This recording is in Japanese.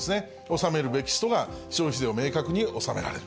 納めるべき人が消費税を明確に納められる。